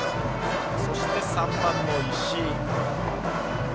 そして、３番の石井。